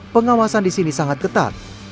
pengawasan di sini sangat ketat